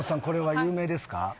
これは有名ですか？